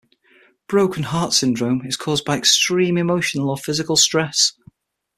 Broken heart syndrome is caused by extreme emotional or physical stress.